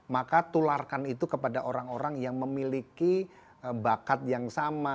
maka tularkan itu kepada orang orang yang memiliki bakat yang sama